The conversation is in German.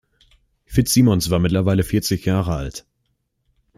Fitzsimmons war mittlerweile vierzig Jahre alt.